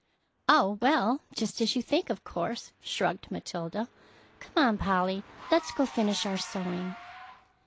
"Oh, well, just as you think, of course," shrugged Matilda. "Come on, Polly; let's go finish our sewing."